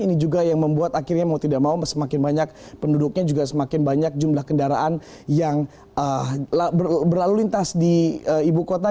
ini juga yang membuat akhirnya mau tidak mau semakin banyak penduduknya juga semakin banyak jumlah kendaraan yang berlalu lintas di ibu kota